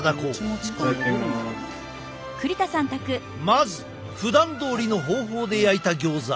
まずふだんどおりの方法で焼いたギョーザ。